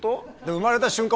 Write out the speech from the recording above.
産まれた瞬間